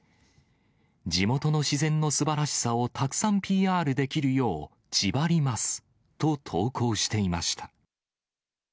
地元の自然のすばらしさをたくさんＰＲできるよう、ちばりますと投稿していました。